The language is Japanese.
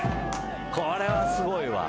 これはすごいわ。